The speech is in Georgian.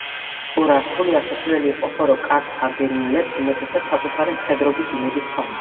გორა რთული ასასვლელი იყო, ხოლო კართაგენელებს უმეტესად საკუთარი მხედრობის იმედი ჰქონდათ.